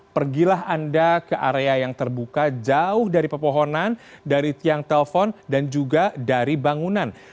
pergilah anda ke area yang terbuka jauh dari pepohonan dari tiang telepon dan juga dari bangunan